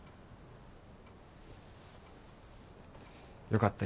よかった。